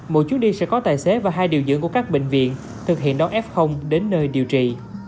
mỗi chuyến đi sẽ có tài xế và hai điều dưỡng của các bệnh viện thực hiện đón f đến nơi điều trị